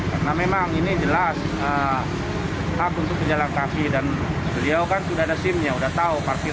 karena memang ini jelas aku untuk menyalakkan dan beliau kan sudah ada simnya udah tahu parkir